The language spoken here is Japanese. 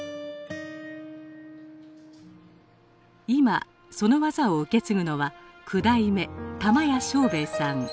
今その技を受け継ぐのは九代目玉屋庄兵衛さん。